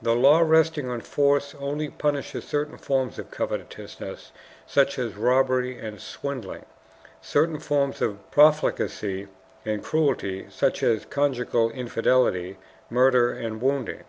The law resting on force only punishes certain forms of covetousness, such as robbery and swindling, certain forms of profligacy and cruelty, such as conjugal infidelity, murder, and wounding.